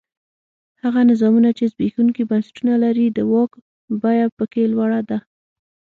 هغه نظامونه چې زبېښونکي بنسټونه لري د واک بیه په کې لوړه ده.